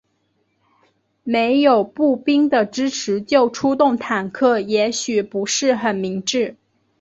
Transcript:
没有步兵的支持就出动坦克也许不是很明智。